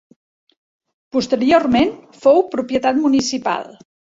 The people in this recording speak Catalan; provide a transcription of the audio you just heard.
Posteriorment fou propietat municipal.